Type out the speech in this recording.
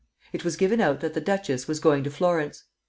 It was given out that the duchess, was going to Florence.